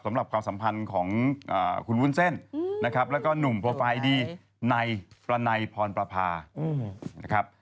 ความสัมพันธ์ของคุณวุ้นเส้นนะครับแล้วก็หนุ่มโปรไฟล์ดีในประนัยพรประพานะครับ